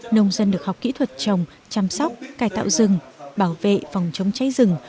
nông dân được học kỹ thuật trồng chăm sóc cài tạo rừng bảo vệ phòng chống cháy rừng